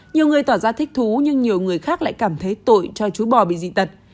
nhiều người tỏ ra thích thú nhưng nhiều người khác lại cảm thấy tội cho chú bò bị dị tật